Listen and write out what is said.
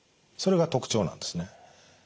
それが特徴なんですね。